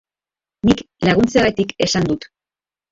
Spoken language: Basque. Nik laguntzeagatik esan dut.